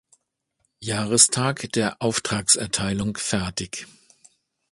Jahrestag der Auftragserteilung fertig.